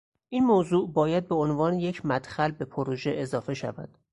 این موضوع باید به عنوان یک مدخل به پروژه اضافه شود